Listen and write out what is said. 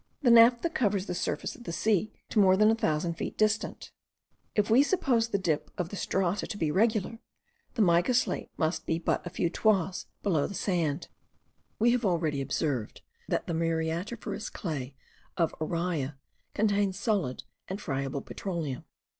The naphtha covers the surface of the sea to more than a thousand feet distant. If we suppose the dip of the strata to be regular, the mica slate must be but a few toises below the sand. We have already observed, that the muriatiferous clay of Araya contains solid and friable petroleum.